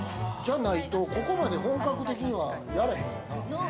ここまで本格的にはやれへんよ。